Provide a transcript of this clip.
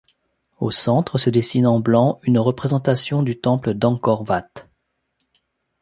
Au centre se dessine en blanc une représentation du temple d'Angkor Vat.